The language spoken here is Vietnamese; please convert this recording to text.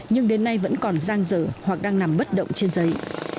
nhưng đến nay vẫn còn giang dở hoặc đang nằm bất động trên giấy